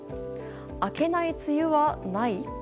明けない梅雨はない？